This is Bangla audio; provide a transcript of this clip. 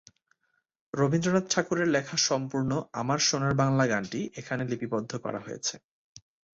রবীন্দ্রনাথ ঠাকুরের লেখা সম্পূর্ণ "আমার সোনার বাংলা" গানটি এখানে লিপিবদ্ধ করা হয়েছে।